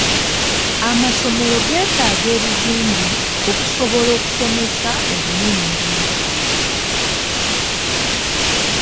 Amasomero geetaaga ebizimbe okusobola okusomesa obulungi.